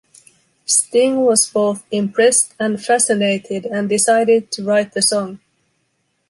Sting was both impressed and fascinated and decided to write the song.